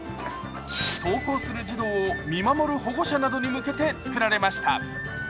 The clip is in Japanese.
登校する児童を見守る保護者などに向けて作られました。